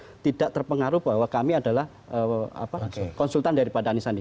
jadi itu tidak terpengaruh bahwa kami adalah konsultan daripada anies andi